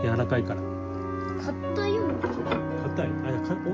かたい？